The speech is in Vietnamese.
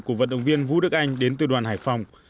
của vận động viên vũ đức anh đến từ đoàn hải phòng